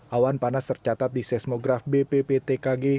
awan panas tercatat di seismograf bpptkg